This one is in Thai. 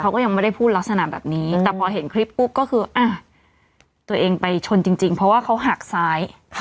เขาก็ยังไม่ได้พูดลักษณะแบบนี้แต่พอเห็นคลิปปุ๊บก็คืออ่ะตัวเองไปชนจริงเพราะว่าเขาหักซ้าย